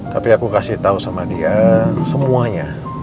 tapi aku kasih tahu sama dia semuanya